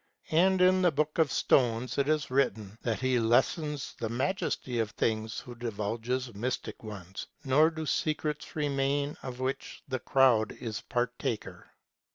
And in the book of Stones it is written, that he lessens the majesty of things who divulges mystic ones ; nor do secrets remain of which the crowd is partaker.